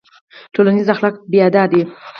ټولنیز اخلاق بیا دا دي.